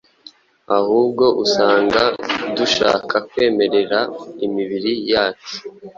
Ahubwo usanga dushaka kwemerera imibiri yacu